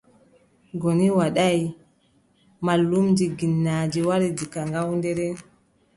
Goni Wadaay, mallumjo ginnaaji wari diga Ngawdere.